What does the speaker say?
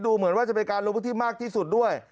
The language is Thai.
เหมือนว่าจะเป็นการลงพื้นที่มากที่สุดด้วย